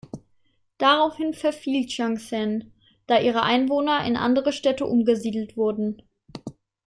Daraufhin verfiel Chiang Saen, da ihre Einwohner in andere Städte umgesiedelt wurden.